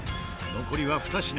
残りは２品。